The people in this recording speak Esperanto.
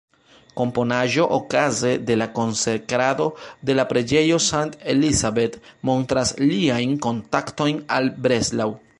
Komponaĵo okaze de la konsekrado de la preĝejo St.-Elisabeth montras liajn kontaktojn al Breslau.